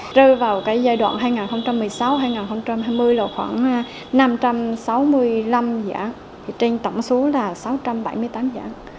trừ vào cái giai đoạn hai nghìn một mươi sáu hai nghìn hai mươi là khoảng năm trăm sáu mươi năm giảm trên tổng số là sáu trăm bảy mươi tám giảm